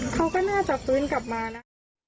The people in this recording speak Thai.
เขาก็น่าจะฟื้นกลับมานะคะ